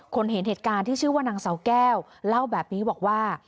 เห็นเหตุการณ์ที่ชื่อว่านางเสาแก้วเล่าแบบนี้บอกว่า